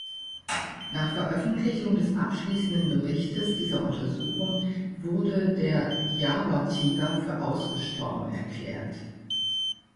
Nach Veröffentlichung des abschließenden Berichtes dieser Untersuchung wurde der Java-Tiger für ausgestorben erklärt.